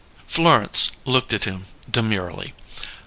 Florence looked at him demurely.